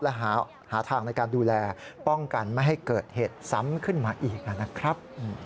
และหาทางในการดูแลป้องกันไม่ให้เกิดเหตุซ้ำขึ้นมาอีกนะครับ